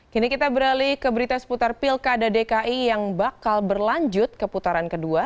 kini kita beralih ke berita seputar pilkada dki yang bakal berlanjut ke putaran kedua